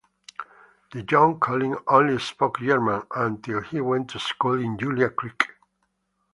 The young Colin only spoke German until he went to school in Julia Creek.